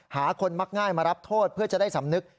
หาคนมักง่ายมารับโทษเพื่อจะได้สำนึก